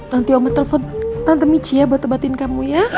nanti oma telfon tante michi ya buat tebatin kamu ya